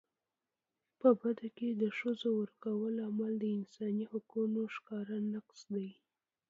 په بدو کي د ښځو ورکولو عمل د انساني حقونو ښکاره نقض دی.